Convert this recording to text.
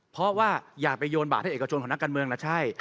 เพราะว่าอย่าไปโยนบาทให้เอกชนของนักการเมืองนะใช่